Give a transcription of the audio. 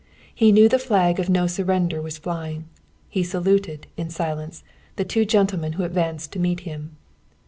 He knew the flag of no surrender was flying. He saluted, in silence, the two gentlemen who advanced to meet him.